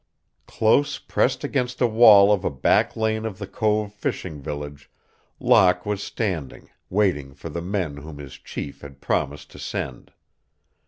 Close pressed against a wall of a back lane of the cove fishing village, Locke was standing, waiting for the men whom his chief had promised to send.